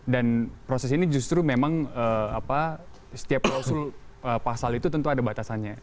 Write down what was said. proses ini justru memang setiap klausul pasal itu tentu ada batasannya